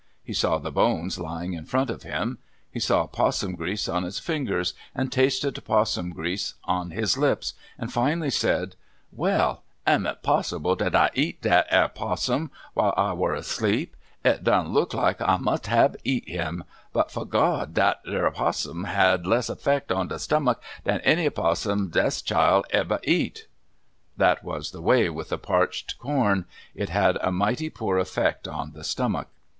He saw the bones lying in front of him. He saw 'possum grease on his fingers, and tasted 'possum grease on his lips, and finally said: "Well; am it possible dat I eat dat 'ar 'possum while I war asleep? It done look like I must hab eat him; but, fo' Gawd, dat 'ar 'possum had less effek on de stomach dan any 'possum dis chile eber eat." That was the way with the parched corn. It had a mighty poor effect on the stomach.